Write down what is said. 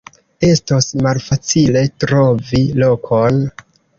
Estos malfacile trovi lokon.